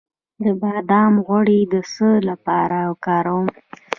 د بادام غوړي د څه لپاره وکاروم؟